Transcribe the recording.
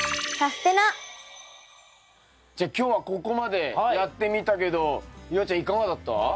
じゃあ今日はここまでやってみたけど夕空ちゃんいかがだった？